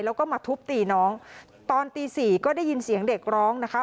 แล้วก็มาทุบตีน้องตอนตีสี่ก็ได้ยินเสียงเด็กร้องนะคะ